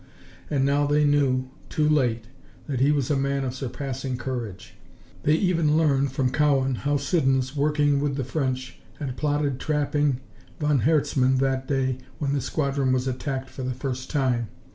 And now they knew, too late, that he was a man of surpassing courage. They even learned, from Cowan, how Siddons, working with the French, had plotted trapping von Herzmann that day when the squadron was attacked for the first time.